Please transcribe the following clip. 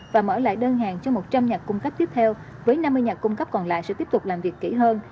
và mở lại đơn hàng cho một trăm linh nhà cung cấp tiếp theo với năm mươi nhà cung cấp còn lại sẽ tiếp tục làm việc kỹ hơn